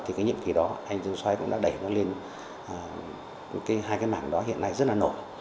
thì nhiệm kỳ đó anh dương xoái cũng đã đẩy nó lên hai mạng đó hiện nay rất là nổi